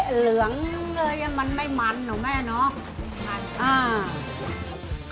ถ้าเดะเหลืองเลยมันไม่มันเหรอแม่น้อง